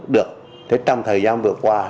được thế trong thời gian vừa qua